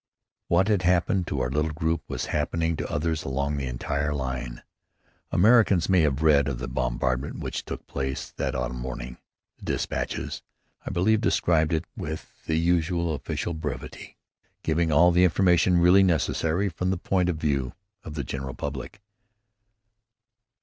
What had happened to our little group was happening to others along the entire line. Americans may have read of the bombardment which took place that autumn morning. The dispatches, I believe, described it with the usual official brevity, giving all the information really necessary from the point of view of the general public.